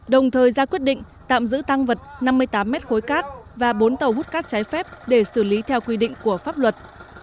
đồng thời ra quyết định tạm giữ tăng vật năm mươi tám mét khối cát và bốn tàu hút cát trái phép để xử lý theo quy định của pháp luật